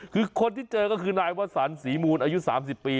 คือคนที่เจอก็คือนายวสันศรีมูลอายุ๓๐ปี